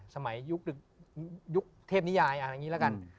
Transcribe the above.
สมัยยุคเทพนิยายอะไรอย่างนี้แล้วกัน